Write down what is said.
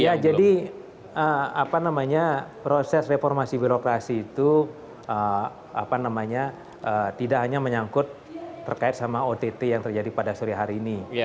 ya jadi proses reformasi birokrasi itu tidak hanya menyangkut terkait sama ott yang terjadi pada sore hari ini